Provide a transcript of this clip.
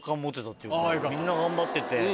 みんな頑張ってて。